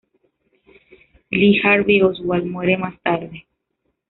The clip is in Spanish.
Lee Harvey Oswald muere más tarde.